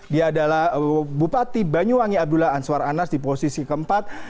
dia adalah bupati banyuwangi abdullah anwar anas di posisi keempat